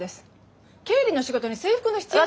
経理の仕事に制服の必要性が。